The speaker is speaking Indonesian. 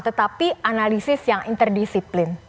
tetapi analisis yang interdisiplin